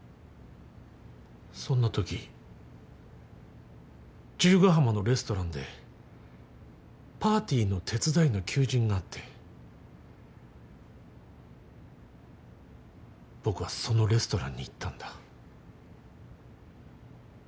そんなとき十ヶ浜のレストランでパーティーの手伝いの求人があって僕はそのレストランに行ったんだ。